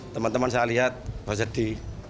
teman teman saya lihat bahas di